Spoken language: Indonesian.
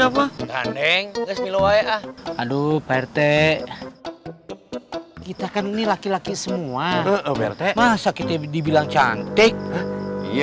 apa gandeng aduh perte kita kan nih laki laki semua berdek masa kita dibilang cantik iya